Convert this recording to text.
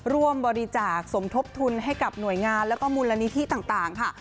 ร่วมบริจาคสมทบทุนให้กับหน่วยงานแล้วก็มูลนิธิต่างค่ะ